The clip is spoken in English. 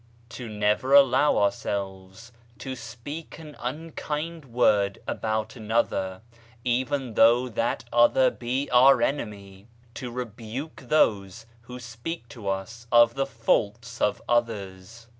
"To never allow ourselves to speak an unkind word about another, even though that other be our enemy. " To rebuke those who speak to us of the faults of others.